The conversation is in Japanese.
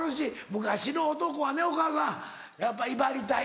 昔の男はねお母さんやっぱ威張りたい。